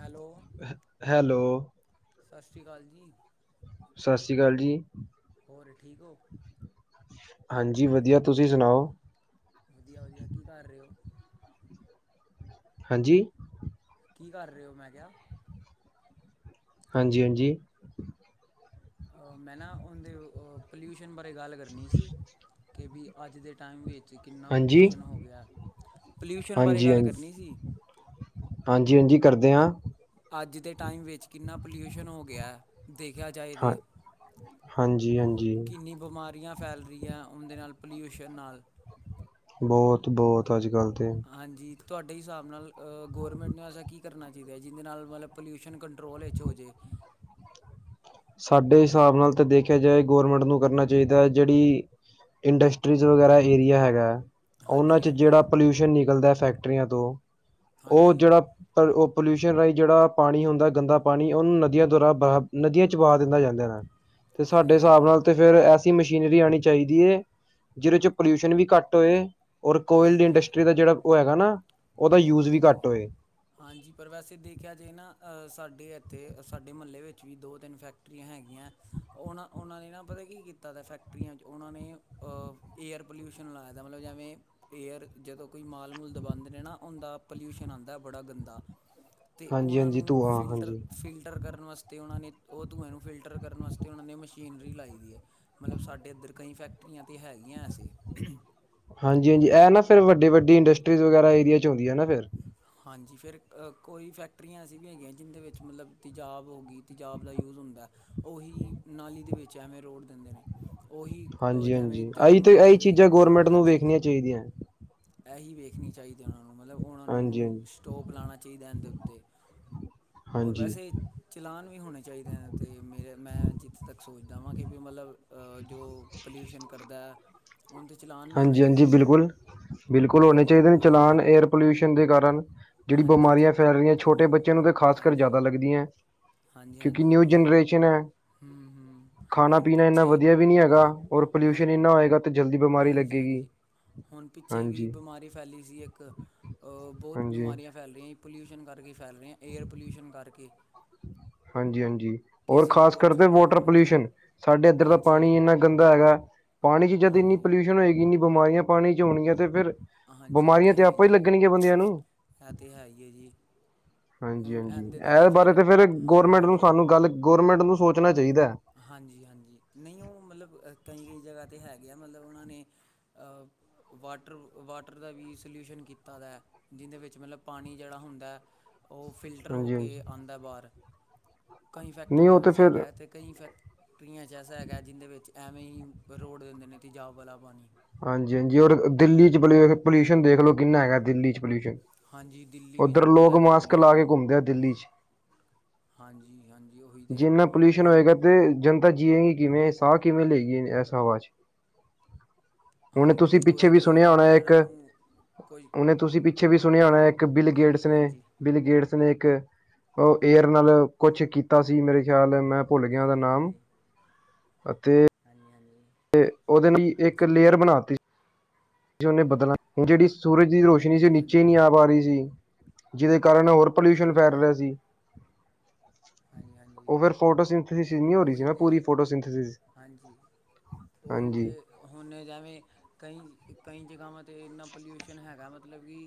Hello hello ਸਸ ਸ੍ਰੀ ਕਾਲ ਜੀ। ਸਸ ਸ੍ਰੀ ਕਾਲ ਜੀ। ਹੋਰ ਠੀਕ ਹੋ। ਹਾਂਜੀ ਵਧੀਆ ਤੁਸੀ ਸੁਣਾਓ। ਵਧੀਆ-ਵਧੀਆ ਕੀ ਕਰ ਰਹੇ ਹੋ। ਹਾਂਜੀ ਕੀ ਕਰ ਰਹੇ ਹੋ ਮੈਂ ਕਿਹਾ। ਹਾਂਜੀ-ਹਾਂਜੀ ਮੈਂ ਨਾ ਉਹਦੇ ਪੋਲਿਊਸ਼ਨ ਬਾਰੇ ਗੱਲ ਕਰਨੀ ਸੀ ਕਿ ਵੀ ਅੱਜ ਦੇ ਟਾਈਮ ਵਿੱਚ ਕਿੰਨਾ ਹਾਂਜੀ ਪੋਲਿਊਸ਼ਨ ਹੋ ਗਿਆ, ਪੋਲਿਊਸ਼ਨ ਬਾਰੇ ਗੱਲ ਕਰਨੀ ਸੀ। ਹਾਂਜੀ-ਹਾਂਜੀ ਕਰਦੇ ਹਾਂ। ਅੱਜ ਦੇ ਟਾਈਮ ਵਿੱਚ ਕਿੰਨਾ ਪੋਲਿਊਸ਼ਨ ਹੋ ਗਿਆ। ਦੇਖਿਆ ਜਾਏ ਹਾਂ ਤੇ ਹਾਂਜੀ ਹਾਂਜੀ ਕਿੰਨੀ ਬਿਮਾਰੀਆਂ ਫੈਲ ਰਹੀਆਂ ਉਹਦੇ ਨਾਲ ਪੋਲਿਊਸ਼ਨ ਨਾਲ। ਬੌਤ-ਬੌਤ ਅੱਜ ਕੱਲ ਤੇ। ਹਾਂਜੀ ਤੁਹਾਡੇ ਹਿਸਾਬ ਨਾਲ ਗੌਰਮੈਂਟ ਨੂੰ ਐਸਾ ਕੀ ਕਰਨਾ ਚਾਹੀਦਾ ਜਿਹਦੇ ਨਾਲ ਮਤਲਬ ਪੋਲਿਊਸ਼ਨ ਕੰਟਰੋਲ ਇਚ ਹੋ ਜੇ। ਸਾਡੇ ਹਿਸਾਬ ਨਾਲ ਤਾਂ ਦੇਖਿਆ ਜਾਏ ਗੌਰਮੈਂਟ ਨੂੰ ਕਰਨਾ ਚਾਹੀਦਾ ਹੈ ਜਿਹੜੀ ਇੰਡਸਟਰੀਜ਼ ਵਗੈਰਾ ਏਰੀਆ ਹੈਗਾ। ਉਹਨਾ ਹਾਂਜੀ ਚ ਹਾਂਜੀ ਜਿਹੜਾ ਪੋਲਿਊਸ਼ਨ ਨਿਕਲਦਾ ਫੈਕਟਰੀਆਂ ਤੋਂ ਉਹ ਹਾਂਜੀ ਜਿਹੜਾ ਪਰ ਉਹ ਪੋਲਿਊਸ਼ਨ ਰਾਹੀ ਜਿਹੜਾ ਪਾਣੀ ਹੁੰਦਾ ਗੰਦਾ ਪਾਣੀ ਉਹਨੂੰ ਨਦੀਆ ਦੁਆਰਾ ਨਦੀਆ ਚ ਵਹਾ ਦਿਤਾ ਜਾ ਤੇ ਹਾਂਜੀ ਸਾਡੇ ਸਾਬ ਹਾਂਜੀ ਨਾਲ ਤੇ ਫੇਰ ਐਸੀ ਮਸ਼ੀਨਰੀ ਆਣੀ ਚਾਹੀਦੀ ਏ ਜਿਹਦੇ ਚ ਪੋਲਿਊਸ਼ਨ ਵੀ ਘਟ ਹੋਏ। ਔਰ ਕੋਇਲਡ ਇੰਡਸਟਰੀ ਦਾ ਜਿਹੜਾ ਉਹ ਹੈਗਾ ਨਾ ਉਹਦਾ ਯੂਜ ਵੀ ਹਾਂਜੀ-ਹਾਂਜੀ ਘੱਟ ਹੋਏ ਹਾਂਜੀ, ਪਰ ਵੈਸੇ ਦੇਖਿਆ ਜਾਏ ਨਾ ਸਾਡੇ ਇੱਥੇ ਸਾਡੇ ਮਹੱਲੇ ਵਿੱਚ ਵੀ ਦੋ ਤਿੰਨ ਫੈਕਟਰੀਆਂ ਹੈਗੀਆਂ। ਉਹਨਾਂ ਉਹਨਾਂ ਨੇ ਨਾ ਪਤਾ ਕੀ ਕੀਤਾ ਤਾਂ ਫੈਕਟਰੀਆਂ 'ਚ ਉਹਨਾਂ ਨੇ ਏਅਰ ਪੋਲਿਊਸ਼ਨ ਲਾਏ ਦਾ ਮਤਲਬ ਜਿਵੇਂ ਏਅਰ ਜਦੋਂ ਕੋਈ ਮਾਲ ਮੂਲ ਦਵਾਂਦੇ ਨੇ ਨਾ। ਹੁੰਦਾ ਪਲੂਸ਼ਸ਼ਨ ਆਂਦਾ ਬੜਾ ਗੰਦਾ ਅਤੇ ਹਾਂਜੀ ਉਹਨਾਂ ਹਾਂਜੀ ਨੂੰ ਧੂੰਆਂ ਫਿਲਟਰ, ਹਾਂਜੀ ਫਿਲਟਰ ਕਰਨ ਵਾਸ ਤੇ ਉਹਨਾਂ ਨੇ ਉਹ ਧੂੰਏ ਨੂੰ ਫਿਲਟਰ ਕਰਨ ਵਾਸਤੇ ਉਹਨਾਂ ਨੇ ਮਸ਼ੀਨਰੀ ਲਾਈ ਦੀ ਹੈ ਮਤਲਬ ਸਾਡੇ ਇੱਧਰ ਕਈ ਫੈਕ ਰੀਆਂ ਤੇ ਹੈਗੀਆਂ ਸੀ। ਹਾਂਜੀ-ਹਾਂਜੀ ਇਹ ਨਾ ਫਿਰ ਵੱਡੀ-ਵੱਡੀ ਇੰਡਸਟਰੀਜ਼ ਵਗੈਰਾ ਏਰੀਆ ਚ ਹੁੰਦੀਆ ਫਿਰ ਹਾਂਜੀ ਫਿਰ ਕੋਈ ਫੈਕਟਰੀਆਂ ਐਸੀ ਵੀ ਹੈਗੀਆਂ ਜਿਦੇ ਵਿੱਚ ਮਤਲਬ ਤਜਾਬ ਹੋ ਗਈ। ਤੇਜਾਬ ਦਾ ਯੂਜ ਹੁੰਦਾ ਉਹੀ ਨਾਲੀ ਦੇ ਵਿੱਚ ਐਵੇਂ ਰੋਡ ਦਿੰਦੇ ਨੇ। ਉਹੀ ਹਾਂਜੀ ਜਿਵੇਂ ਹਾਂਜੀ ਆਹੀ ਤੇ ਜਾਨਵਰ ਹੋ ਇਹੀ ਗਏ ਗਏ ਚੀਜ਼ਾਂ ਗੌਰਮੈਂਟ ਨੂੰ ਹਾਂਜੀ। ਵੇਖਣੀਆਂ ਚਾਹੀਦੀਆਂ। ਇਹੀ ਵੇਖਣੀ ਚਾਹੀਦੀ ਉਹਨਾਂ ਨੂੰ ਮਤਲਬ ਉਹਨਾਂ ਹਾਂਜੀ ਨੂੰ ਹਾਂਜੀ ਸਟੋਪ ਲਾਉਣਾ ਚਾਹੀਦਾ ਇਹਦੇ ਉੱਤੇ। ਹੋਰ ਹਾਂਜੀ ਵੈਸੇ ਚਲਾਨ ਵੀ ਹੋਣੇ ਚਾਹੀਦੇ ਨੇ ਤੇ ਮੇਰੇ ਮੈਂ ਜਿੱਥੇ ਤੱਕ ਸੋਚਦਾ ਵਾ ਕਿ ਵੀ ਮਤਲਬ ਜੋ ਪੋਲਿਊਸ਼ਨ ਕਰਦਾ ਹੁਣ ਤੇ ਚਲਾਨ ਵੀ ਹੋਣੇ ਹਾਂਜੀ ਹਾਂਜੀ ਚਾਹੀਦੇ ਨੇ ਬਿਲਕੁਲ ਬਿਲਕੁਲ ਹੋਣੇ ਹਾਂਜੀ ਚਾਹੀਦੇ ਨੇ ਉਹੀ ਤੇ ਚਲਾਨ ਏਅਰ ਪੋਲਿਊਸ਼ਨ ਦੇ ਕਾਰਨ ਜਿਹੜੀ ਹਾਂਜੀ ਜੇ ਬਿਮਾਰੀਆਂ ਫੈਲ ਰਹੀਆਂ ਛੋਟੇ ਬੱਚਿਆਂ ਨੂੰ ਤਾਂ ਖਾਸ ਕਰ ਹਾਂਜੀ ਜ਼ਿਆਦਾ ਲੱਗਦੀਆਂ। ਹਾਂਜੀ ਕਿਉਂਕਿ ਹਾਂਜੀ ਨਿਊ ਜਨਰੇਸ਼ਨ। ਹੂੰ ਹੂੰ ਖਾਣਾ ਹੁਣ ਪੀਣਾ ਇੰਨਾ ਪਿੱਛੇ ਵਧੀਆ ਵੀ ਨਹੀਂ ਹੈਗਾ ਹਾਂ ਔਰ ਹੁਣ ਪੋਲਿਊਸ਼ਨ ਇੰਨਾ ਹੋਏਗਾ ਤੇ ਜਲਦੀ ਬਿਮਾਰੀ ਲ ਹਾਂਜੀ ਹਾਂਜੀ, ਹੁਣ ਪਿੱਛੇ ਵੀ ਬਿਮਾਰੀ ਫੈਲੀ ਸੀ ਇੱਕ ਬਹੁਤ ਹਾਂਜੀ ਬਿਮਾਰੀਆਂ ਫੈਲ ਰਹੀਆਂ ਪੋਲਿਊਸ਼ਨ ਕਰਕੇ ਫੈਲ ਰਿਹਾ ਏਅਰ ਪੋਲਿਊਸ਼ਨ ਕਰਕੇ ਹਾਂਜੀ-ਹਾਂਜੀ ਔਰ ਕਿਸੇ ਨੂੰ ਖ਼ਾਸ ਕੁਛ ਕਰਕੇ ਹੋ ਗਿਆ ਵਾਟਰ ਹਾਂਜੀ ਪੋਲਿਊਸ਼ਨ ਸਾਡੇ ਇੱਧਰ ਦਾ ਹਾਂਜੀ ਪਾਣੀ ਇੰਨਾ ਗੰਦਾ ਹੈਗਾ ਪਾਣੀ 'ਚ ਜਦ ਇੰਨੀ ਹਾਂਜੀ ਪੋਲਿਊਸ਼ਨ ਹੋਏਗੀ ਇੰਨੀ ਬਿਮਾਰੀਆਂ ਪਾਣੀ 'ਚ ਹੋਣਗੀਆਂ ਤੇ ਫਿਰ ਹਾਂਜੀ ਇਹ ਤਾਂ ਬਿਮਾਰੀਆਂ ਤੇ ਹੈ ਆਪਾਂ ਹੀ ਹੈ ਲੱਗਣਗੀਆਂ ਇਹ ਬੰਦਿਆਂ ਨੂੰ ਹੈ ਤੇ ਹੈਈ ਆ ਜੀ। ਹਾਂਜੀ-ਹਾਂਜੀ ਇਹਦੇ ਬਾਰੇ ਤੇ ਫਿਰ ਗੌਰਮੈਂਟ ਨੂੰ ਹਾਂਜੀ ਸਾਨੂੰ ਗੱਲ ਗੌਰਮੈਂਟ ਨੂੰ ਸੋਚਣਾ ਚਾਹੀਦਾ। ਹਾਂਜੀ-ਹਾਂਜੀ ਨਹੀਂ ਉਹ ਮਤਲਬ ਕਈ-ਕਈ ਜਗ੍ਹਾ ਹੈਗੇ ਆ ਮਤਲਬ ਉਹਨਾਂ ਨੇ ਵਾਟਰ-ਵਾਟਰ ਦਾ ਵੀ ਸੋਲਿਊਸ਼ਨ ਕੀਤਾ ਦਾ। ਜਿਹਦੇ ਵਿੱਚ ਮਤਲਬ ਪਾਣੀ ਜਿਹੜਾ ਹੁੰਦਾ। ਉਹ ਫਿਲਟਰ ਹੋ ਹਾਂਜੀ ਹਾਂਜੀ ਕੇ ਆਂਦਾ ਬਾਹਰ ਕਈ ਨਹੀਂ ਉਹ ਫੈਕਟਰੀਆਂ ਤੇ ਵਿੱਚ ਫਿਰ ਹੈਗਾ ਤੇ ਕਈ ਫੈਕਟਰੀਆਂ 'ਚ ਐਸਾ ਹੈਗਾ ਜਿਹਦੇ ਵਿੱਚ ਐਵੇਂ ਹੀ ਰੋੜ ਦਿੰਦੇ ਨੇ ਤੇਜਾਬ ਵਾਲਾ ਪਾਣੀ ਹਾਂਜੀ-ਹਾਂਜੀ ਔਰ ਦਿੱਲੀ 'ਚ ਪ ਪੋਲਿਊਸ਼ਨ ਦੇਖ ਲਓ ਕਿੰਨਾ ਹੈਗਾ ਦਿੱਲੀ 'ਚ ਪੋਲਿਊਸ਼ਨ ਹਾਂਜੀ ਦਿੱਲੀ ਵਿੱਚ ਉੱਧਰ ਬਹੁਤ ਲੋਕ ਹੈਗਾ ਮਾਸਕ ਲਾ ਕੇ ਪੋਲਿਊਸ਼ਨ ਘੁੰਮਦੇ ਆ ਦਿੱਲੀ 'ਚ ਹਾਂਜੀ-ਹਾਂਜੀ ਉਹੀ ਤੇ ਜਿੰਨਾ ਪੋਲਿਊਸ਼ਨ ਹੁਣ ਹੋਏਗਾ ਤੇ ਜਨਤਾ ਜੀਏਗੀ ਕਿਵੇਂ ਸਾਹ ਕਿਵੇਂ ਲਈਏ ਇਸ ਹਵਾ 'ਚ ਹੁਣ ਤੁਸੀਂ ਹਾਂਜੀ ਪਿੱਛੇ ਉਹੀ ਵੀ ਤੇ ਸੁਣਿਆ ਹੁਣ ਹੋਣਾ ਇੱਕ ਇਹਨਾਂ ਨੂੰ ਕੋਈ ਹੁਣੇ ਤੁਸੀਂ ਪਿੱਛੇ ਵੀ ਸੁਣਿਆ ਹੋਣਾ ਕੋਈ ਇੱਕ ਬਿਲ ਗੇਟਸ ਨੇ ਹਾਂਜੀ ਬਿਲ ਗੇਟਸ ਨੇ ਇੱਕ ਉਹ ਏਅਰ ਨਾਲ ਕੁਛ ਕੀਤਾ ਸੀ ਮੇਰੇ ਖਿਆਲ ਮੈਂ ਭੁੱਲ ਗਿਆ ਉਹਦਾ ਨਾਮ ਹਾਂਜੀ-ਹਾਂਜੀ, ਹਾਂਜੀ-ਹਾਂਜੀ। ਤੇ ਉਹਦੇ ਲਈ ਇੱਕ ਲੇਅਰ ਬਣਾਤੀ। ਉਹਨੇ ਬਦਲ ਹੁਣ ਜਿਹੜੀ ਸੂਰਜ ਦੀ ਰੋਸ਼ਨੀ ਸੀ ਉਹ ਹਾਂਜੀ ਹਾਂਜੀ ਨੀਚੇ ਹਾਂਜੀ ਨਹੀਂ ਆ ਪਾ ਰਹੀ ਸੀ ਜਿਹਦੇ ਕਾਰਨ ਹੋਰ ਪੋਲਿਊਸ਼ਨ ਫੈਲ ਹਾਂਜੀ ਰਿਹਾ ਸੀ। ਹਾਂਜੀ-ਹਾਂਜੀ, ਫੋਟੋ [unintelligible] ਹੋ ਰਹੀ ਸੀ ਨਾ ਪੂਰੀ ਫੋਟੋ ਹਾਂਜੀ [unintelligible] ਉਹੀ ਹਾਂਜੀ। ਤੇ ਹੁਣ ਜਿਵੇਂ ਕਈ-ਕਈ ਜਗ੍ਹਾਵਾਂ 'ਤੇ ਇੰਨਾ ਪੋਲਿਊਸ਼ਨ ਹੈਗਾ ਮਤਲਬ ਕਿ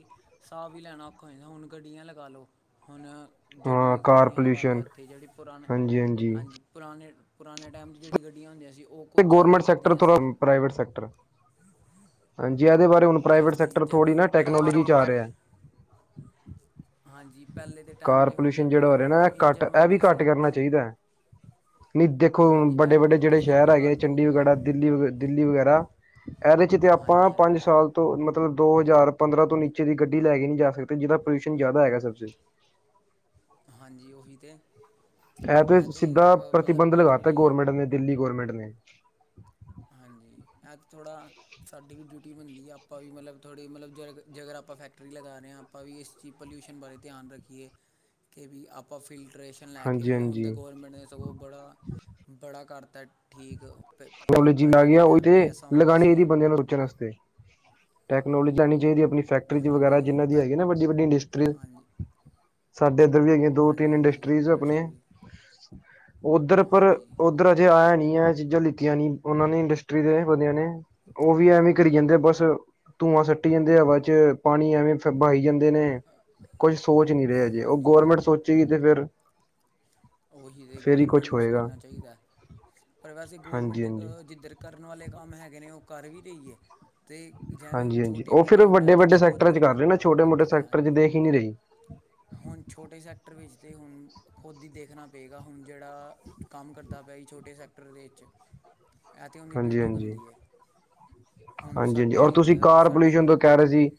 ਸਾਹ ਵੀ ਲੈਣਾ ਔਖਾ ਹੋ ਜਾਣਾ ਹੁਣ ਗੱਡੀਆਂ ਲਗਾ ਲਓ ਹੁਣ ਹਾਂ ਜਿਹੜੀ ਕਾਰ ਗੱਡੀਆਂ ਲਗਾ ਲਓ ਪੋਲਿਊਸ਼ਨ ਇੱਥੇ ਜਿਹੜੀ ਪੁਰਾਣੇ ਹਾਂਜੀ। ਪੁਰਾਣੇ-ਪੁਰਾਣੇ ਟਾਈਮ ਚ ਜਿਹੜੀ ਗੱਡੀਆਂ ਹੁੰਦੀਆਂ ਸੀ ਉਹ ਤੇ ਕੁਝ ਜ਼ਿਆਦਾ ਗੌਰਮੈਂਟ ਹੀ ਸੈਕਟਰ ਕਰਦੀਆਂ ਥੋੜਾ ਸੀ। ਪ੍ਰਾਈਵੇਟ ਸੈਕਟਰ, ਹਾਂਜੀ ਇਹਦੇ ਬਾਰੇ ਹੁਣ ਪ੍ਰਾਈਵੇਟ ਹਾਂਜੀ ਸੈਕਟਰ ਜਿਵੇਂ ਥੋੜ੍ਹੀ ਨਾ ਹੁਣ ਪਹਿਲੇ ਟੈਕਨੋਲੋਜੀ ਚ ਆ ਦੇ ਰਿਹਾ। ਹਾਂਜੀ ਪਹਿਲੇ ਦੇ ਟਾਈਮ ਕਾਰ 'ਤੇ ਹੁਣ ਪੋਲਿਊਸ਼ਨ ਜਿਹੜਾ ਜਿਵੇਂ ਹੋ ਰਿਹਾ ਨਾ ਇਹ ਘੱਟ ਇੰਜਨ ਇਹ ਵੀ ਬਣਦੇ ਘੱਟ ਸੀ ਕਰਨਾ ਚਾਹੀਦਾ। ਨਹੀਂ ਦੇਖੋ ਹਾਂਜੀ ਹੁਣ ਇਹ ਵੱਡੇ-ਵੱਡੇ ਹੁਣ ਤੇ ਜਿਹੜੇ ਫਿਰ ਸ਼ਹਿਰ ਵੀ ਹੈਗੇ ਘੱਟ ਹੋ ਚੰਡੀਗੜ੍ਹ ਗਿਆ ਵਗੈਰਾ, ਦਿੱਲੀ, ਦਿੱਲੀ ਵਗੈਰਾ ਇਹਦੇ ਚ ਤੇ ਆਪਾਂ ਹਾਂਜੀ ਪੰਜ ਹਾਂਜੀ ਸਾਲ ਤੋਂ ਮਤਲਬ ਦੋ ਹਜ਼ਾਰ ਪੰਦਰਾਂ ਤੋਂ ਨੀਚੇ ਦੀ ਗੱਡੀ ਲੈ ਕੇ ਨੀ ਜਾ ਸਕਦੇ ਜਿਹਦਾ ਪੋਲਿਊਸ਼ਨ ਜ਼ਿਆਦਾ ਹੈਗਾ [unintelligible] ਹਾਂਜੀ ਉਹੀ ਤੇ। ਇਹ ਹੁਣ ਤੇ ਸਿੱਧਾ ਅ, ਮਤਲਬ ਪ੍ਰਤੀਬੰਧ ਕਿ ਲਗਾਤਾ ਥੋੜ੍ਹੀ ਗੌਰਮੈਂਟ ਨੇ ਦਿੱਲੀ ਗੋੌਰਮੈਂਟ ਨੇ। ਹਾਂਜੀ ਐ ਚ ਥੋੜ੍ਹਾ ਸਾਡੀ ਵੀ ਡਿਊਟੀ ਬਣਦੀ ਆ ਆਪਾਂ ਵੀ ਮਤਲਬ ਥੋੜ੍ਹੀ ਮਤਲਬ ਜ਼ੇ ਜੇਕਰ ਅਗਰ ਆਪਾਂ ਫੈਕਟਰੀ ਲਗਾ ਰਹੇ ਹਾਂ। ਆਪਾਂ ਵੀ ਇਸ ਚੀਜ਼ ਪੋਲਿਊਸ਼ਨ ਬਾਰੇ ਧਿਆਨ ਰੱਖੀਏ ਕਿ ਵੀ ਆਪਾਂ ਫਿਲਟਰਰੇਸ਼ਨ ਲੈ ਕੇ ਹਾਂਜੀ ਆਈਏ ਹੁਣ ਤੇ ਹਾਂਜੀ ਗੌਰਮੈਂਟ ਨੇ ਸਗੋਂ ਬੜਾ-ਬੜਾ ਕਰਤਾ ਠੀਕ ਪ- [unintelligible] ਅ, ਪਹਿਲੇ ਦੇ ਓਹੀ ਟਾਈਮ ਤੇ ਐਸਾ ਹੁੰਦਾ ਲਗਾਣੀ ਸੀ ਚਾਹੀਦੀ ਬੰਦਿਆਂ ਨੂੰ ਰੋਕਣ ਵਾਸਤੇ। ਟੈਕਨੋਲੋਜੀ ਲੈਣੀ ਚਾਹੀਦੀ ਹੈ ਆਪਣੀ ਫੈਕਟਰੀ ਵਗੈਰਾ ਹਾਂਜੀ ਜਿਹਨਾਂ ਹੁਣ ਦੀ ਪੈ ਹੈਗੀ ਨਾ ਵੱਡੀ-ਵੱਡੀ ਇੰਡਸਟਰੀ ਹਾਂਜੀ ਸਾਡੇ ਇੱਧਰ ਵੀ ਹੈਗੀਆਂ ਹਾਂਜੀ ਦੋ-ਤਿੰਨ ਹਾਂਜੀ ਇੰਡਸਟਰੀਜ਼ ਆਪਣੇ ਇੰਡਸਟਰੀ ਉੱਧਰ ਪਰ ਹਾਂਜੀ ਉੱਧਰ ਅਜੇ ਆਇਆ ਨੀ। ਚੀਜ਼ਾਂ ਲਿੱਤੀਆਂ ਨੀ ਉਹਨਾਂ ਨੇ ਇੰਡਸਟਰੀ ਦੇ ਬੰਦਿਆਂ ਨੇ। ਉਹ ਵੀ ਐਵੇਂ ਕਰੀ ਜਾਂਦੇ ਬਸ ਧੂੰਆਂ ਸੱਟੀ ਜਾਂਦੇ ਹਵਾ ਚ ਪਾਣੀ ਐਵੇਂ ਫਿਰ ਬਈ ਜਾਂਦੇ ਨੇ ਕੋਈ ਸੋਚ ਨੀ ਰਿਹਾ ਜੇ ਉਹ ਹਾਂਜੀ ਗੌਰਮੈਂਟ ਸੋਚੇਗੀ ਤੇ ਫਿਰ‌ ਉਹੀ ਅਤੇ ਗੌਰਮੈਂਟ ਨੂੰ ਹੋਏਗਾ ਸੋਚਣਾ ਚਾਹੀਦਾ ਪਰ ਵੈਸੇ ਹਾਂਜੀ ਗੌਰਮੈਂਟ ਹਾਂਜੀ ਜਿੱਧਰ ਕਰਨ ਵਾਲੇ ਕੰਮ ਹੈਗੇ ਨੇ ਉਹ ਕਰ ਵੀ ਰਹੀ ਏ। ਤੇ ਜਿਵੇਂ ਹੁਣ ਹਾਂਜੀ ਹਾਂਜੀ ਉਹ ਛੋਟੇ-ਮੋਟੇ ਫਿਰ ਹੁੰਣ ਆ ਵੱਡੇ ਥੋੜ੍ਹੀ ਵੱਡੇ ਸੈਕਟਰਾਂ ਚ ਗੌਰਮੈਂਟ ਕਰ ਰਹੇ ਨਾ ਆਪਣੇ ਛੋਟੇ ਮੋਟੇ ਰੱਖੇਗੀ ਸੈਕਟਰ ਚ ਹਾਂਜੀ। ਦੇਖ ਹੀ ਨਹੀਂ ਰਹੀ ਹੁਣ ਛੋਟੇ ਸੈਕਟਰ ਵਿੱਚ ਹੁਣ ਖੁਦ ਦੀ ਦੇਖ ਦੇਖਣਾ ਪਏਗਾ ਹੁਣ ਜਿਹੜਾ ਕੰਮ ਕਰਦਾ ਪਿਆ ਜੀ ਛੋਟੇ ਸੈਕਟਰ ਦੇ ਵਿੱਚ। ਇਹ ਤੇ ਉਹਦੀ ਡਿਊਟੀ ਬਣਦੀ ਹੈ। ਹੁਣ ਹਾਂਜੀ-ਹਾਂਜੀ, ਸਾਡੇ ਔਰ ਤੁਸੀਂ ਅ ਕਾਰ ਸਾਡੀ ਪੋਲਿਊਸ਼ਨ ਤੋਂ ਕਹਿ ਰਹੇ ਸੀ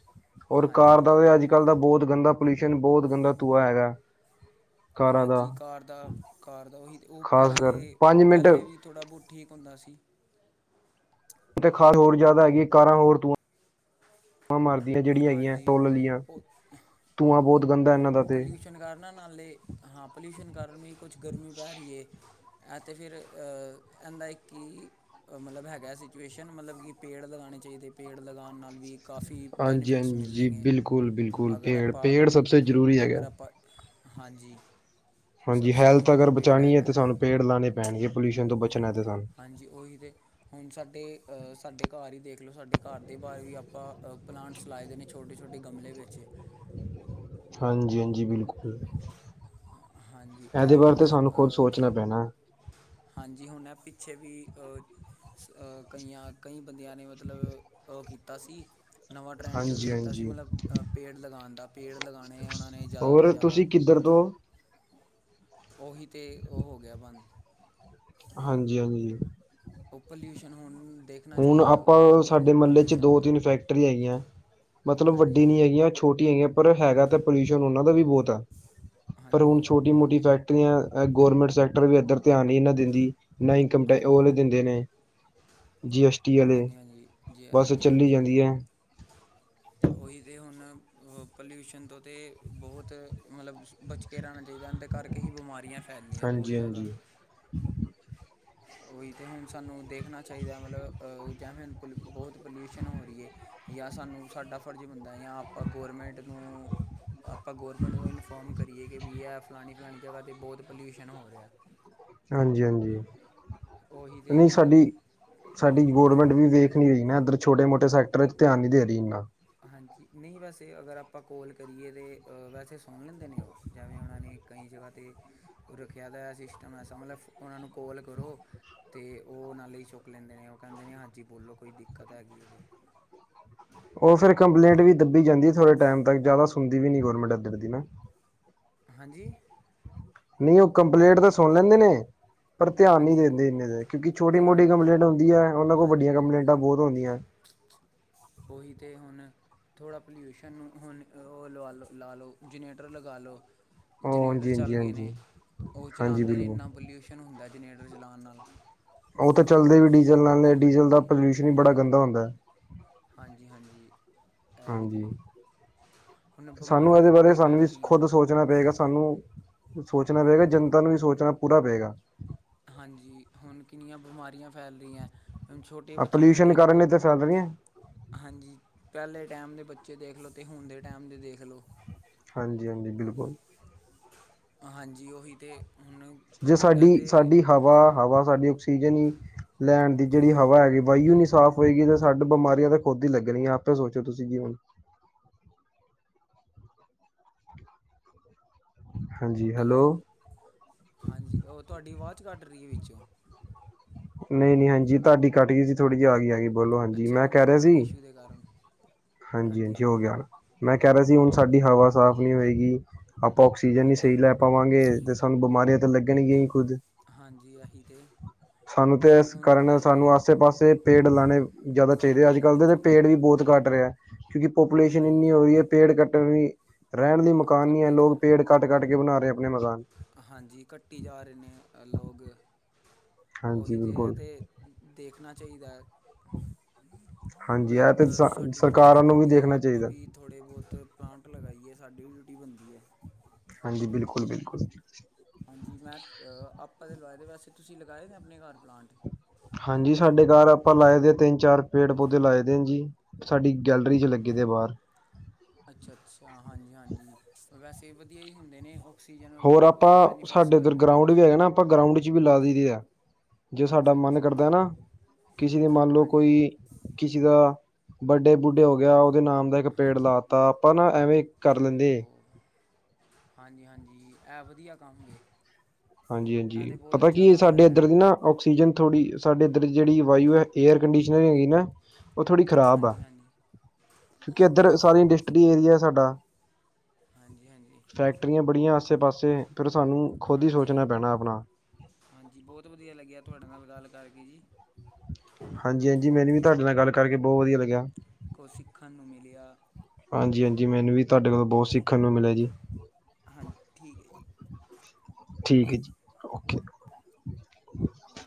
ਔਰ ਕਾਰ ਹਾਂਜੀ ਦਾ ਅੱਜ ਕੱਲ ਦਾ ਬਹੁਤ ਗੰਦਾ ਪੋਲਿਊਸ਼ਨ ਬਹੁਤ ਗੰਦਾ ਧੂਆ ਹੈਗਾ। ਕਾਰਾਂ ਦਾ ਹਾਂਜੀ, ਕਾਰ ਦਾ- ਕਾਰ ਦਾ ਉਹੀ ਉਹ ਖਾਸ ਕਰ ਪੰਜ ਮਿੰਟ ਪਹਿਲੇ-ਪਹਿਲੇ ਵੀ ਥੋੜ੍ਹਾ ਬਹੁਤ ਠੀਕ ਹੁੰਦਾ ਸੀ। ਤੇ ਕਾਰ ਹੋਰ ਜ਼ਿਆਦਾ ਹੈਗੀ ਕਾਰਾਂ ਹੋਰ ਦੂਆ ਮਾਂ ਜਿਹੜੀਆਂ ਹੈਗੀਆਂ, ਹਾਂਜੀ ਟੋਰਲੀਆਂ ਉਹ ਧੂੰਆਂ ਬਹੁਤ ਗੰਦਾ ਇਹਨਾਂ ਦਾ ਤੇ ਤਨਖਾਰ ਨਾਲੇ ਹਾਂ ਪੋਲਿਊਸ਼ਨ ਕਾਰਨ ਵੀ ਕੁਛ ਗਰਮੀ ਪੈ ਰਹੀ ਹੈ। ਐਤੇ ਫਿਰ ਐਦਾ ਇੱਕ ਮਤਲਬ ਹੈਗਾ ਸਿਚੁਏਸ਼ਨ ਮਤਲਬ ਕਿ ਪੇੜ ਲਗਾਣੇ ਚਾਹੀਦੇ ਪੇੜ ਲਗਾਣ ਨਾਲ ਵੀ ਕਾਫੀ ਹਾਂਜੀ ਬੈਨੀਫਿਟਸ ਹਾਂਜੀ ਮਿਲਣਗੇ ਬਿਲਕੁਲ ਬਿਲਕੁਲ ਅਗਰ ਪੇੜ ਪੇੜ ਸਭ ਤੋਂ ਜ਼ਰੂਰੀ ਆਪਾਂ- ਅਗਰ ਹੈਗਾ ਆਪ ਪਰ ਹਾਂਜੀ। ਸਭ ਹਾਂਜੀ, ਸੇ ਹੈਲਥ ਅਗਰ ਜ਼ਰੂਰੀ ਪੇੜ ਬਚਾਉਣੀ ਹੈ ਹੈਗਾ ਤੇ ਸਾਨੂੰ ਪੇੜ ਲਾਉਣੇ ਪੈਣਗੇ ਪੋਊਸ਼ਨ ਤੋਂ ਬਚਣਾ ਹੈ ਸਾਨੂੰ। ਹਾਂਜੀ, ਉਹ ਹੀ ਤੇ। ਹੁਣ ਸਾਡੇ ਅ ਸਾਡੇ ਘਰ ਹੀ ਦੇਖ ਲਓ ਸਾਡੇ ਘਰ ਦੇ ਬਾਹਰ ਵੀ ਆਪਾਂ ਪਲਾਂਟਸ ਲਾਏ ਦੇ ਨੇ। ਛੋਟੇ-ਛੋਟੇ ਗਮਲੇ ਵਿੱਚ। ੱ [unintelligible] ਹਾਂਜੀ-ਹਾਂਜੀ, ਬਿਲਕੁਲ। ਹਾਂਜੀ ਇਹ ਇਹਦੇ ਬਾਰੇ ਹੁਣ ਤਾਂ ਸਾਨੂੰ ਖੁਦ ਸੋਚਣਾ ਪੈਣਾ। ਹਾਂਜੀ, ਹੁਣ ਹੈ ਪਿੱਛੇ ਵੀ ਕਈਆਂ-ਕਈ ਬੰਦਿਆਂ ਨੇ ਮਤਲਬ ਉਹ ਕੀਤਾ ਸੀ। ਨਵਾਂ ਟਰੈਂਡ ਸ਼ੁਰੂ ਹਾਂਜੀ ਕੀਤਾ ਸੀ, ਹਾਂਜੀ ਮਤਲਬ ਪੇੜ ਲਗਾਨ ਦਾ ਪੇੜ ਲਗਾਣੇ ਉਹਨਾਂ ਨੇ ਜ਼ਿਆਦਾ ਤੋਂ ਹੋਰ ਜ਼ਿਆਦਾ। ਤੁਸੀਂ ਕਿੱਧਰ ਤੋਂ? ਉਹੀ ਤਾਂ ਉਹ ਹੋ ਗਿਆ ਬੰਦ। ਹਾਂਜੀ-ਹਾਂਜੀ। ਉਹ ਪੋਲਿਊਸ਼ਨ ਹੋਣ ਹੁਣ ਆਪਾਂ ਸਾਡੇ ਮਹੱਲੇ ਚ ਦਾ ਦੋ-ਤਿੰਨ ਫੈਕਟਰੀ ਹੈਗੀਆਂ। ਮਤਲਬ ਹਾਂਜੀ ਵੱਡੀ ਨਹੀਂ ਹੈਗੀਆ ਛੋਟੀ ਹੈਗੀਆਂ। ਪਰ ਹੈਗਾ ਤਾਂ ਪੋਲਿਊਸ਼ਨ ਉਹਨਾਂ ਦਾ ਵੀ ਬਹੁਤ ਹੈ। ਪਰ ਹੁਣ ਹਾਂਜੀ ਛੋਟੀ ਮੋਟੀ ਫੈਕਟ ਗੋਰਮੈਂਟ ਸੈਕਟਰ ਵੀ ਇਧਰ ਧਿਆਨ ਹੀ ਨਾ ਦਿੰਦੀ। ਨਾ ਇਨਕਮ ਟੈ ਉਹ ਹਾਂਜੀ ਦਿੰਦੇ ਨੇ। ਜੀ ਐਸ ਟੀ ਵਾਲੇ ਹਾਂਜੀ ਹਾਂਜੀ ਜੀ ਬਸ ਹਾਂਜੀ ਚੱਲੀ ਹਾਂਜੀ ਜਾਂਦੀ ਹੈ। ਉਹੀ ਤਾਂ ਹੁਣ ਪੋਲਿਊਸ਼ਨ ਤੋਂ ਤਾਂ ਬਹੁਤ ਮਤਲਬ ਬਚ ਕੇ ਰਹਿਣਾ ਚਾਹੀਦਾ ਇਹਦੇ ਕਰਕੇ ਹੀ ਬਿਮਾਰੀਆਂ ਫੈਲਦਿਆਂ ਬਹੁਤ ਹਾਂਜੀ ਜ਼ਿਆਦਾ। ਹਾਂਜੀ ਉਹੀ ਤੇ ਹੁਣ ਸਾਨੂੰ ਦੇਖਣਾ ਚਾਹੀਦਾ ਮਤਲਬ ਜਾ ਪੁਲ ਬਹੁਤ ਪੋਲਿਊਸ਼ਨ ਹੋ ਰਹੀ ਹੈ ਜਾਂ ਸਾਨੂੰ ਸਾਡਾ ਫਰਜ਼ ਬਣਦਾ ਜਾਂ ਆਪਾਂ ਗੌਰਮੈਂਟ ਨੂੰ ਆਪਾਂ ਗੌਰਮੈਂਟ ਨੂੰ ਇਨਫੋਰਮ ਕਰੀਏ ਕਿ ਵੀ ਇਹ ਫਲਾਣੀ-ਫਲਾਣੀ ਜਗ੍ਹਾ 'ਤੇ ਬਹੁਤ ਪੋਲਿਊਸ਼ਨ ਹੋ ਰਿਹਾ। ਹਾਂਜੀ-ਹਾਂਜੀ, ਉਹੀ ਤੇ ਨਹੀਂ ਹੁਣ ਸਾਡੀ-ਸਾਡੀ ਹਾਂਜੀ ਗਰਮੈਂਟ ਵੀ ਵੇਖ ਪੁਲਿਸ ਨਾ ਇੱਧਰ ਛੋਟੇ- ਮੋਟ ਸਕਟਰ ਚ ਧਿਆ ਨੀ ਦੇ ਰਹੀ ਇਨਾ। ਹਾਂਜੀ, ਨਹੀਂ ਵੈਸੇ ਅਗਰ ਆਪਾਂ ਕੋਲ ਕਰੀਏ ਤਾਂ ਵੈਸੇ ਸੁਣ ਲੈਂਦੇ ਨੇ ਉਹ ਜਿਵੇਂ ਉਹਨਾਂ ਨੇ ਕਈ ਜਗਾ ਤੇ ਰੱਖਿਆ ਤਾਂ ਸਿਸਟਮ ਐਸਾ ਮਤਲਬ ਉਹਨਾਂ ਨੂੰ ਕਾਲ ਕਰੋ। ਤੇ ਉਹ ਨਾਲੇ ਹੀ ਚੁੱਕ ਲੈਂਦੇ ਨੇ ਉਹ ਕਹਿੰਦੇ ਨੇ ਹਾਂਜੀ, ਬੋਲੋ ਕੋਈ ਦਿੱਕਤ ਹੈਗੀ ਏ ਤੇ। ਉਹ ਫਿਰ ਕੰਪਲੇਂਟ ਵੀ ਦੱਬੀ ਜਾਂਦੀ। ਥੋੜੇ ਟਾਈਮ ਤੱਕ, ਜ਼ਿਆਦਾ ਸੁਣਦੀ ਵੀ ਨੀ ਗੌਰਰਮੈਂਟ ਇਧਰ ਦੀ ਨਾ। ਹਾਂਜੀ ਨਹੀਂ ਉਹ ਕੰਪਲੇਂਟ ਤਾਂ ਸੁਣ ਲੈਂਦੇ ਨੇ। ਪਰ ਧਿਆਨ ਨਹੀਂ ਹਾਂਜੀ ਦਿੰਦੇ ਹਾਂਜੀ ਇਨੇ ਦੇ, ਕਿਉਂਕਿ ਛੋਟੀ- ਮੋਟੀ ਧਿਆਨ ਕੰਪਲੇਂਟ ਹੁੰਦੀ ਐ। ਉਹਨਾਂ ਕੋਲ ਵੱਡੀਆਂ ਹਾਂਜੀ ਕੰਪਲੇਂਟਾਂ ਬਹੁਤ ਹੁੰਦੀਆਂ। ਉਹੀ ਤੇ ਹੁਣ। ਥੋੜ੍ਹਾ ਪੋਲਿਊਸ਼ਨ ਹੁਣ ਉਹ ਲਵਾ -ਲ -ਲਾ ਲਉ ਜਨਰੇਟਰ ਲਗਾ ਲਉ। ਜਨਰੇਟਰ ਹਾਂਜੀ ਹਾਂਜੀ ਚੱਲ ਗਏ ਹਾਂਜੀ ਨੇ, ਉਹ ਹਾਂਜੀ ਚਲਾਦੇ ਨੇ ਬਿਲਕੁਲ ਇੰਨਾ ਪੋਲਿਊਸ਼ਨ ਹੁੰਦਾ ਜਨਰੇਟਰ ਚਲਾਣ ਨਾਲ। ਉਹ ਤਾਂ ਚੱਲਦੇ ਹੁਣ ਵੀ ਡੀਜ਼ਲ ਨਾਲ ਡੀਜ਼ਲ ਹਾਂਜੀ। ਦਾ ਪੋਲਿਊਸ਼ਨ ਹੀ ਬੜਾ ਡੀਜ਼ਲ ਗੰਦਾ ਦਾ ਹੁੰਦਾ ਹੈ ਹਾਂਜੀ ਹਾਂਜੀ। ਇਹ ਵੀ ਹਾਂਜੀ। ਤੇ ਹੁਣ ਸਾਨੂੰ ਬਿਮਾਰੀਆਂ ਇਹਦੇ ਵੀ ਬਾਰੇ ਕਿੰਨੀ ਸਾਨੂੰ ਵੀ ਫੈਲ ਰਹੀਆਂ ਖੁਦ ਸੋਚ ਸੋਚਣਾ ਪਏਗਾ ਸਾਨੂੰ। ਸੋਚਣਾ ਪਏਗਾ ਜਨਤਾ ਨੂੰ ਵੀ ਸੋਚਣਾ ਪੂਰਾ ਪਏਗਾ। ਹਾਂਜੀ। ਹੁਣ ਕਿੰਨੀਆਂ ਬਿਮਾਰੀਆਂ ਫੈਲ ਰਹੀਆਂ। ਛੋਟੇ ਆ ਬੱਚਿਆਂ ਨੂੰ ਪੋਲਿਊਸ਼ਨ ਦੇਖ ਕਾਰਨ ਲਓ। ਇਹ ਤਾਂ ਫੈਲ ਰਹੀਆਂ ਹਾਂਜੀ। ਪਹਿਲੇ ਟਾਈਮ ਦੇ ਬੱਚੇ ਦੇਖ ਲਓ ਅਤੇ ਹੁਣ ਦੇ ਟਾਈਮ ਦੇ ਦੇਖ ਲਓ। ਹਾਂਜੀ ਹਾਂਜੀ। ਬਿਲਕੁਲ ਹਾਂਜੀ। ਉਹੀ ਤੇ ਹੁਣ ਜੇ ਇਹ ਤਾਂ ਸਾਡੀ-ਸਾਡੀ ਹਵਾ-ਹਵਾ ਸਾਡੀ ਆਕਸੀਜਨ ਹੀ ਲੈਣ ਦੀ ਜਿਹੜੀ ਹਵਾ ਹੈਗੀ। ਬਾਈ ਓ ਸਾਫ਼ ਨੀ ਹੋਏਗੀ, ਤੇ ਸਾਨੂੰ ਬਿਮਾਰੀਆਂ ਤਾਂ ਖੁਦ ਹੀ ਲੱਗਣਗੀਆਂ, ਆਪੇ ਸੋਚੋ ਤੁਸੀਂ ਕੀ ਬਣੂ। ਹੈਲੋ। ਹਾਂਜੀ, ਉਹ ਤੁਹਾਡੀ ਵਾਜ ਕੱਟ ਰਹੀ ਹੈ ਵਿੱਚੋਂ। ਨਹੀਂ- ਨਹੀਂ ਹਾਂਜੀ। ਤੁਹਾਡੀ ਕੱਟ ਗਈ ਸੀ। ਥੋੜ੍ਹੀ ਜੀ, ਆ ਗਈ, ਆ ਗਈ, ਬੋਲੋ। ਹਾਂਜੀ ਅੱਛਾ ਮੈਂ ਉਹ ਕਹਿ ਰਿਹਾ ਸੀ। ਨੈਟਵਰਕ ਇਸ਼ੂ ਦੇ ਕਾਰਨ ਹਾਂਜੀ, ਹਾਂਜੀ। ਹੋ ਗਿਆ ਮੈਂ ਕਹਿ ਰਿਹਾ ਸੀ ਹੁਣ ਸਾਡੀ ਹਵਾ ਸਾਫ਼ ਨਹੀਂ ਹੋਏਗੀ ਆਪਾਂ ਆਕਸੀਜਨ ਨੀ ਹਾਂਜੀ ਸਹੀ ਲੈ ਪਾਵਾਂਗੇ ਤੇ, ਸਾਨੂੰ ਬਿਮਾਰੀਆਂ ਤਾਂ ਲੱਗਣਗੀਆਂ ਹੀ ਖੁੱਦ। ਹਾਂਜੀ। ਆਹੀ ਤੇ ਸਾਨੂੰ ਤਾਂ ਇਸ ਕਾਰਨ, ਸਾਨੂੰ ਆਸੇ-ਪਾਸੇ ਪੇੜ ਲਾਣੇ ਜ਼ਿਆਦਾ ਪੇੜ ਚਾਹੀਦੇ, ਅੱਜ ਲਗਾਉਣੇ ਕੱਲ੍ਹ ਦੇ ਚਾਹੀਦੇ ਪੇੜ ਵੀ ਬਹੁਤ ਹਾਂਜੀ ਕੱਟ ਰਿਹਾ। ਕਿਉਂਕਿ ਪਾਪੂਲੇਸ਼ਨ ਇੰਨੀ ਹਾਂਜੀ ਹੋ ਰਹੀ ਹੈ। ਪੇੜ ਕੱਟਣ ਦੀ ਰਹਿਣ ਲਈ ਮਕਾਨ ਨੀ ਹੈ ਕੱਟੀ ਜਾ ਲੋਕ ਪੇੜ ਕੱਟ- ਕੱਟ ਕੇ ਬਣਾ ਰਹੇ ਆਪਣੇ ਮਕਾਨ। ਹਾਂਜੀ ਕੱਟੀ ਜਾ ਰਹੇ ਨੇ ਲੋਕ, ਹਾਂਜੀ ਉਹੀ ਤੇ ਆ ਬਿਲਕੁਲ ਤੇ- ਦੇਖਣਾ ਚਾਹੀਦਾ ਐ। ਹਾਂਜੀ ਇਹ ਮਤਲਬ, ਤੇ ਅਹ ਸਾਡੀ ਵੀ ਡਿਊਟੀ ਸਰਕਾਰਾਂ ਨੂੰ ਵੀ ਬਣਦੀ ਐ। ਦੇਖਣਾ ਆਪਾਂ ਚਾਹੀਦਾ ਵੀ ਥੋੜ੍ਹੇ ਬਹੁਤ ਪਲਾਂਟ ਲਗਾਾਈਏ, ਸਾਡੀ ਵੀ ਡਿਊਟੀ ਬਣਦੀ ਹੈ। ਹਾਂਜੀ ਬਿਲਕੁਲ ਬਿਲਕੁਲ। ਹਾਂਜੀ ਮੈਂ ਆਪਾਂ ਤਾਂ ਲਵਾਏ ਪੈ। ਵੈਸੇ ਤੁਸੀਂ ਲਗਾਏ ਨੇ ਆਪਣੇ ਘਰ ਪਲਾਂਟ? ਹਾਂਜੀ ਸਾਡੇ ਘਰ ਆਪਾਂ ਲਾਏ ਦੇ ਆ ਤਿੰਨ-ਚਾਰ ਪੇੜ ਪੌਦੇ ਲਾਏ ਦੇ ਆ ਜੀ। ਸਾਡੀ ਗੈਲਰੀ 'ਚ ਲੱਗੇ ਦੇ ਬਾਹਰ। ਅੱਛਾ- ਅੱਛਾ ਹਾਂਜੀ-ਹਾਂਜੀ ਵੈਸੇ ਵਧੀਆ ਹੀ ਹੁੰਦੇ ਨੇ ਉਹ ਹੋਰ ਆਪਾਂ ਸਾਡੇ ਇੱਧਰ ਗਰਾਊਂਡ ਵੀ ਹੈਗਾ ਨਾ। ਆਪਾਂ ਗਰਾਊਂਡ ਚ ਵੀ ਲਾ ਦਿੰਦੇ ਐ। ਜੇ ਸਾਡਾ ਅੱਛਾ ਮਨ ਅੱਛਾ ਕਰਦਾ ਨਾ। ਹਾਂਜੀ ਕਿਸੇ ਦੀ ਮੰਨ ਲਓ ਹਾਂਜੀ ਕੋਈ ਕਿਸੇ ਦਾ ਬਰਥਡੇ ਬੂਡੇ ਹੋ ਗਿਆ ਉਹਦੇ ਨਾਮ ਇੱਕ ਪੇੜ ਹਾਂਜੀ ਲਾ ਤਾ ਆਪਾਂ ਨਾ ਐਵੇਂ ਕਰ ਲੈਂਦੇ। ਓਹੋ ਹਾਂਜੀ ਹਾਂਜੀ, ਇਹ ਵਧੀਆ ਕੰਮ ਜੇ। ਹਾਂਜੀ ਹਾਂਜੀ ਇਹ ਤਾਂ ਬਹੁਤ ਪਤਾ ਅੱਛਾ ਕੀ ਕੰਮ ਸਾਡੇ ਹੈਗਾ ਇੱਧਰ ਦੀ ਨਾ ਔਕਸੀਜਨ ਥੋੜ੍ਹੀ ਸਾਡੇ ਇੱਧਰ ਜਿਹੜੀ ਵਾਯੂ ਹੈ, ਏਅਰ ਕੰਡੀਸ਼ਨਰ ਹੈਗੀ ਨਾ। ਉਹ ਥੋੜ੍ਹੀ ਖ਼ਰਾਬ ਆ। ਹਾਂਜੀ ਹਾਂਜੀ ਕਿਉਂਕਿ ਇੱਧਰ ਹਾਂਜੀ ਸਾਰੀ ਇੰਡਸਟਰੀ ਏਰੀਆ ਸਾਡਾ। ਹਾਂਜੀ, ਹਾਂਜੀ। ਫੈਕਟਰੀਆਂ ਬੜੀਆਂ ਆਸੇ -ਪਾਸੇ ਫਿਰ ਸਾਨੂੰ ਖੁਦ ਹੀ ਸੋਚਣਾ ਹਾਂਜੀ ਪੈਣਾ ਆਪਣਾ। ਹਾਂਜੀ। ਬਹੁਤ ਵਧੀਆ ਲੱਗਿਆ ਤੁਹਾਡੇ ਨਾਲ ਗੱਲ ਕਰਕੇ ਜੀ। ਹਾਂਜੀ, ਹਾਂਜੀ। ਮੈਨੂੰ ਵੀ ਤੁਹਾਡੇ ਨਾਲ ਗੱਲ ਕਰਕੇ ਬਹੁਤ ਵਧੀਆ ਲੱਗਿਆ। ਕੁਛ ਸਿੱਖਣ ਨੂੰ ਮਿਲਿਆ। ਹਾਂਜੀ ਹਾਂਜੀ ਮੈਨੂੰ ਵੀ ਤੁਹਾਡੇ ਕੋਲੋਂ ਬਹੁਤ ਸਿੱਖਣ ਨੂੰ ਮਿਲਿਆ ਜੀ। ਹਾਂਜੀ ਠੀਕ ਹੈ ਜੀ। ਠੀਕ ਹੈ ਜੀ ਓਕੇ।